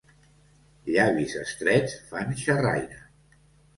Llavis estrets fan xerraire.